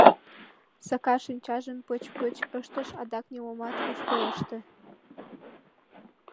Сакар шинчажым пыч-пыч ыштыш, адак нимомат ыш пелеште.